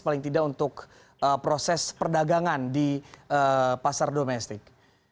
paling tidak untuk proses perdagangan di pasar domestik